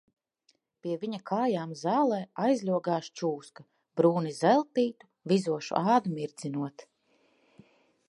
Pie viņa kājām zālē aizļogās čūska brūni zeltītu, vizošu ādu mirdzinot.